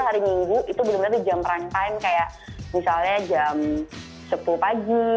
hari minggu itu benar benar jam runtime kayak misalnya jam sepuluh pagi